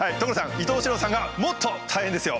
伊東四朗さんがもっと大変ですよ。